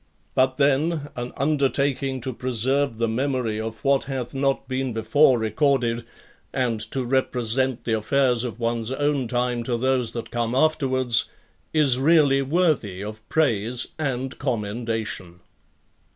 But then, an undertaking to preserve the memory Of what hath not been before recorded, and to represent the affairs of one's own time to those that come afterwards, is really worthy of praise and commendation.